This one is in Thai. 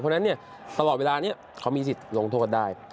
เพราะฉะนั้นตลอดเวลานี้เขามีสิทธิ์ลงโทษได้